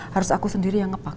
harus aku sendiri yang ngepak